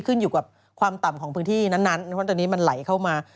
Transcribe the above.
ขึ้นอยู่กับความต่ำของพื้นที่นั้นเพราะตอนนี้มันไหลเข้ามา